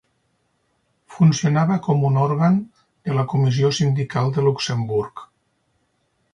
Funcionava com a òrgan de la Comissió Sindical de Luxemburg.